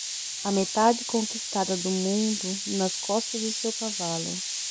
A metade conquistada do mundo nas costas de seu cavalo.